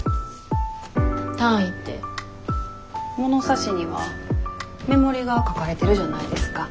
物差しには目盛りが書かれてるじゃないですか。